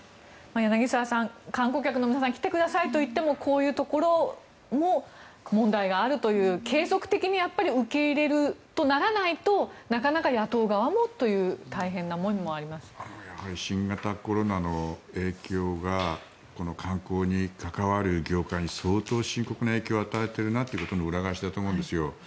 柳澤さん、観光客の皆さん来てくださいといってもこういうところも問題があるという、継続的に受け入れるとならないとなかなか雇う側もという新型コロナの影響が観光に関わる業界に相当深刻な影響を与えていることの裏返しだと思うんですよ。